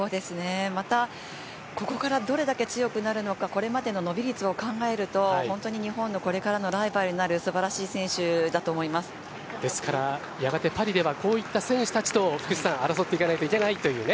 またここからどれだけ強くなるのかこれまでの伸び率を考えると本当に日本のこれからのライバルになるですから、やがてパリではこういった選手たちと争っていかなければいけないというね。